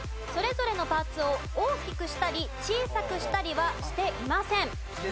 それぞれのパーツを大きくしたり小さくしたりはしていません。